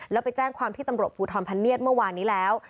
แล้วไปแจ้งความที่ตำรวจภูทรพเนียดเมื่อวานนี้แล้ว